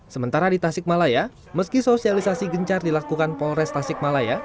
sementara di tasikmalaya meski sosialisasi gencar dilakukan polres tasikmalaya